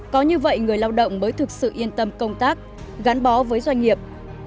có như vậy người lao động mới thực sự yên tâm công tác gắn bó với doanh nghiệp